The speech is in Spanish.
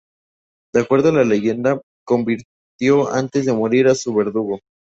De acuerdo a la leyenda, convirtió antes de morir a su verdugo.